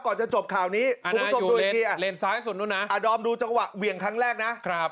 จะจบข่าวนี้คุณผู้ชมดูอีกทีดอมดูจังหวะเหวี่ยงครั้งแรกนะ